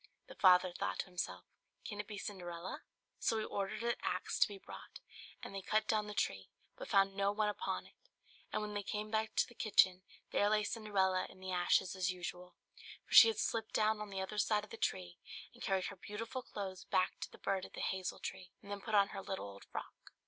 The father thought to himself, "Can it be Cinderella?" So he ordered an axe to be brought; and they cut down the tree, but found no one upon it. And when they came back into the kitchen, there lay Cinderella in the ashes as usual; for she had slipped down on the other side of the tree, and carried her beautiful clothes back to the bird at the hazel tree, and then put on her little old frock.